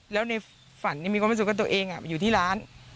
แล้วในฝันยังมีความรู้สึกว่าตัวเองอยู่ที่ร้าน